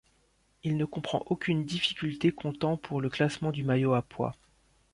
Il ne comprend aucune difficulté comptant pour le classement du maillot à pois.